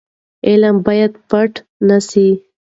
علم باید پټ نه سي.